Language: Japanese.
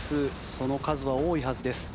その数は多いはずです。